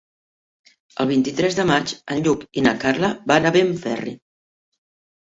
El vint-i-tres de maig en Lluc i na Carla van a Benferri.